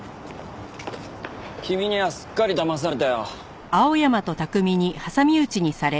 君にはすっかりだまされたよ。